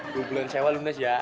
dua bulan sewa lu nes ya